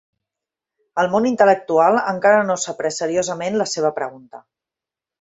El món intel·lectual encara no s'ha pres seriosament la seva pregunta.